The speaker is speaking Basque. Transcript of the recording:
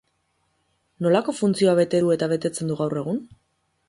Nolako funtzioa bete du eta betetzen du gaur egun?